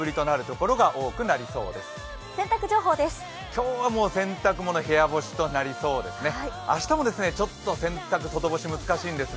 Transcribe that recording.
今日はもう洗濯物、部屋干しとなりそうですね。